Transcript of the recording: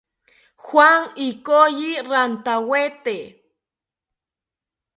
Juan ikoyi rantawete